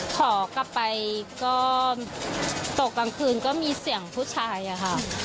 ขอกลับไปก็ตกกลางคืนก็มีเสียงผู้ชายอะค่ะ